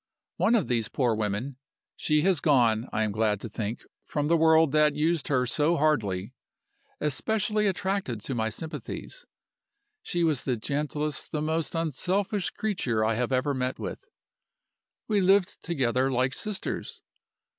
One of these poor women (she has gone, I am glad to think, from the world that used her so hardly) especially attracted my sympathies. She was the gentlest, the most unselfish creature I have ever met with. We lived together like sisters.